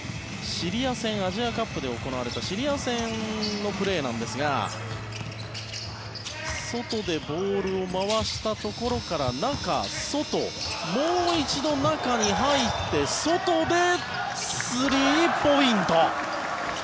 アジアカップで行われたシリア戦のプレーなんですが外でボールを回したところから中、外もう一度、中に入って外でスリーポイント。